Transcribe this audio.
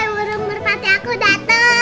burung burung pati aku dateng